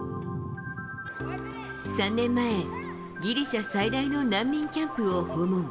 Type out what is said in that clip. ３年前、ギリシャ最大の難民キャンプを訪問。